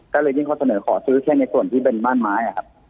ก็เลยยิ่งเขาเสนอขอซื้อแค่ในส่วนที่เป็นบ้านไม้ครับ